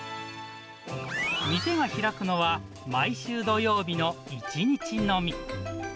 店が開くのは、毎週土曜日の１日のみ。